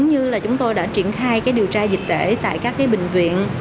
như là chúng tôi đã triển khai điều tra dịch tễ tại các bệnh viện